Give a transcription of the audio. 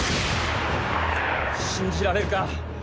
信じられるか。